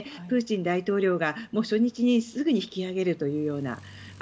プーチン大統領が初日にすぐに引き揚げるというような。